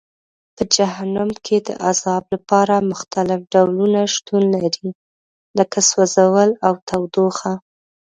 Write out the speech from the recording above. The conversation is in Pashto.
په جهنم کې د عذاب لپاره مختلف ډولونه شتون لري لکه سوځول او تودوخه.